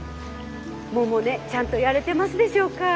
百音ちゃんとやれてますでしょうか？